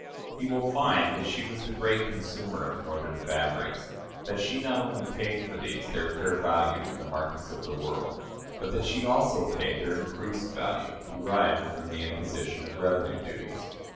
He will find that she was the great consumer of Northern fabrics that she not only paid for these their fair value in the markets of the world, but that she also paid their increased value, derived from the imposition of revenue duties.